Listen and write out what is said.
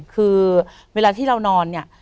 คือเวลาที่เรานอนเนี่ย